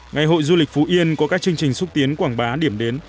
ngày hội du lịch phú yên có các chương trình xúc tiến quảng bá điểm đến